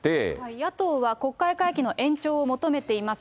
野党は国会会期の延長を求めています。